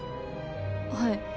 はい。